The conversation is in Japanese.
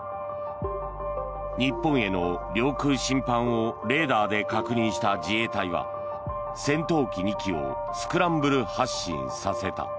日本への領空侵犯をレーダーで確認した自衛隊は戦闘機２機をスクランブル発進させた。